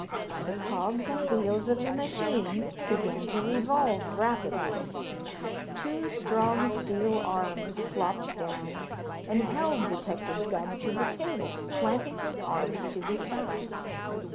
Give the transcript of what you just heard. The cogs and wheels of the machine began to revolve rapidly. Two strong, steel arms flopped down and held Detective Gubb to the table, clamping his arms to his side.